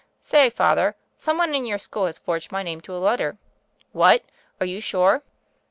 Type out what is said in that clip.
"Say, Father, some one in your school has forged my name to a letter." "Whatl Are you sure?"